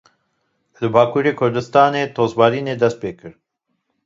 Li Bakurê Kurdistanê tozbarînê dest pê kir.